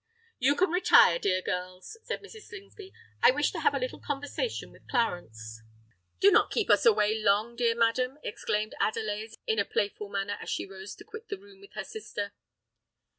"You can retire, dear girls," said Mrs. Slingsby. "I wish to have a little conversation with Clarence." "Do not keep us away long, dear madam," exclaimed Adelais, in a playful manner, as she rose to quit the room with her sister.